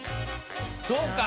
そうか！